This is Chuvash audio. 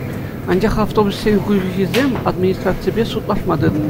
Анчах автобуссен хуҫисем администраципе судлашма тытӑннӑ.